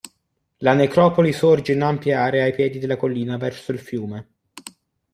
La necropoli sorge in ampie aree ai piedi della collina verso il fiume.